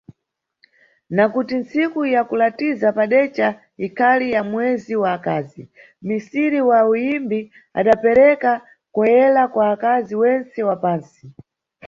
Na kuti ntsiku ya kulatiza padeca ikhali ya mwezi wa nkazi, misiri wa uyimbi adapereka "Com Ela" kwa akazi wentse wa pantsi.